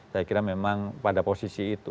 saya kira memang pada posisi itu